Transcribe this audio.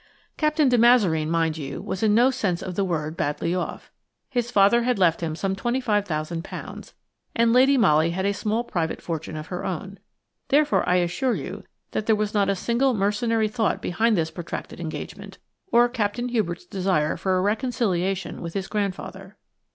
Captain de Mazareen, mind you, was in no sense of the word badly off. His father had left him some £25,000, and Lady Molly had a small private fortune of her own. Therefore I assure you that there was not a single mercenary thought behind this protracted engagement or Captain Hubert's desire for a reconciliation with his grandfather.